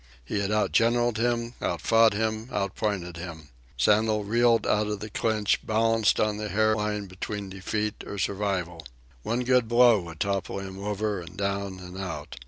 He had out generalled him, out fought him, out pointed him. Sandel reeled out of the clinch, balanced on the hair line between defeat or survival. One good blow would topple him over and down and out.